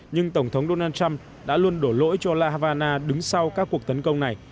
nhưng tổng thống donald trump đã luôn đổ lỗi cho la havana đứng sau các cuộc tấn công này